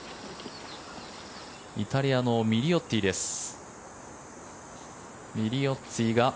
イタリアのミリオッツィです。